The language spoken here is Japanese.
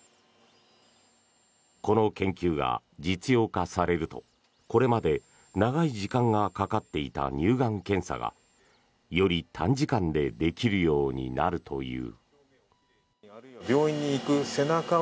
この研究が実用化されるとこれまで長い時間がかかっていた乳がん検査がより短時間でできるようになるという。